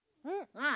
うん。